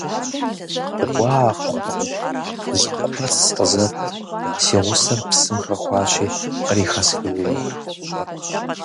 Уа Кхъуэн, зы кхъуэц къызэт, си гъусэр псым хэхуащи кърихэсхыжыну.